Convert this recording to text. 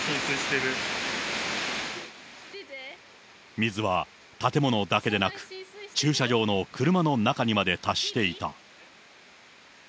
水は建物だけでなく、駐車場の車の中にまで達していた。